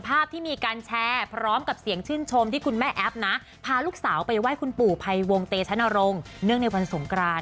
เป็นแฟนก็ได้ดูแน่นอน